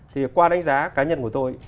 thì qua đánh giá cá nhân của tôi